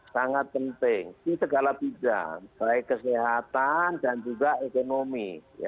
sangat penting di segala bidang baik kesehatan dan juga ekonomi